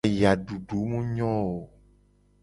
Ayadudu mu nyo o.